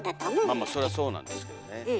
まあまあそりゃそうなんですけどね。